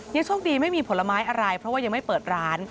ยังโชคดีไม่มีผลไม้อะไรเพราะว่ายังไม่เปิดร้าน